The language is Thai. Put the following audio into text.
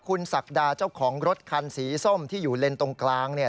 คุณศักดาเจ้าของรถคันสีส้มที่อยู่เลนส์ตรงกลางเนี่ย